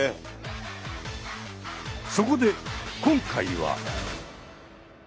そこで今回は。